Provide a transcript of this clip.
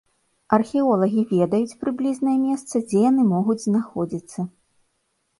Археолагі ведаюць прыблізнае месца, дзе яны могуць знаходзіцца.